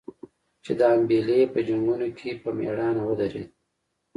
چې د امبېلې په جنګونو کې په مړانه ودرېد.